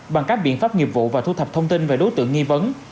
bằng các biện pháp nghiệp vụ và thu thập thông tin về đối tượng nghi vấn